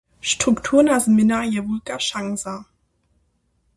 Strukturna změna je wulka šansa.